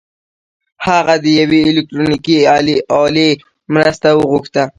هغه د يوې الکټرونيکي الې مرسته وغوښته.